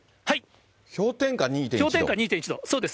氷点下２．１度、そうです。